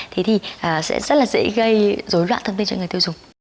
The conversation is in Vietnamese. thì thì sẽ rất là dễ gây rối loạn thông tin cho người tiêu dùng